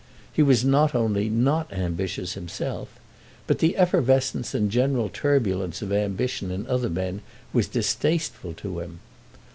He was not only not ambitious himself, but the effervescence and general turbulence of ambition in other men was distasteful to him.